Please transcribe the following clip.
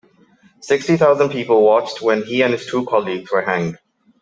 Sixty thousand people watched when he and his two colleagues were hanged.